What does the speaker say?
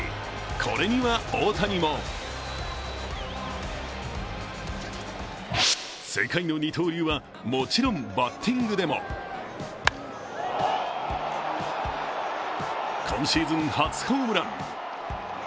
これには大谷も世界の二刀流はもちろん、バッティングでも今シーズン初ホームラン。